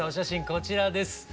こちらです。